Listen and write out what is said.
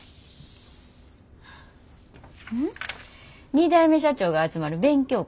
２代目社長が集まる勉強会。